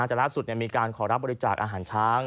แต่ล่าสุดมีการขอรับบริจาคอาหารช้าง